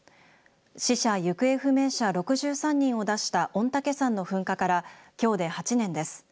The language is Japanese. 死者行方不明者６３人を出した御嶽山の噴火からきょうで８年です。